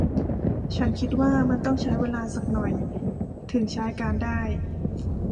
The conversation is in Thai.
ฉันคิดว่ามันต้องใช้เวลาซักหน่อยถึงใช้การได้